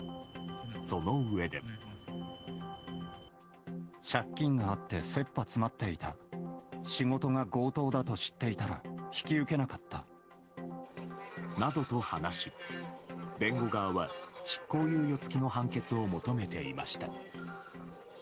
そのうえで。などと話し、弁護側は執行猶予付きの判決を求めていました。